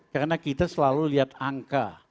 karena kita selalu lihat angka